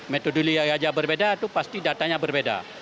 metodologi yang berbeda itu pasti datanya berbeda